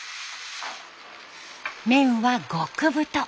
麺は極太。